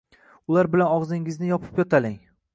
Ular bilan og‘zingizni yopib yo‘taling.